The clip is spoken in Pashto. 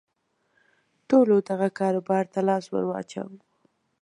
ټولو دغه کاروبار ته لاس ور واچاوه.